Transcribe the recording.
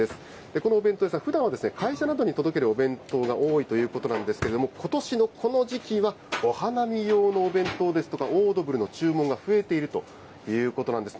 このお弁当屋さん、ふだんは会社などに届けるお弁当が多いということなんですけれども、ことしのこの時期は、お花見用のお弁当ですとか、オードブルの注文が増えているということなんです。